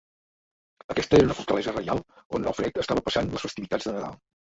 Aquesta era una fortalesa reial on Alfred estava passant les festivitats de Nadal.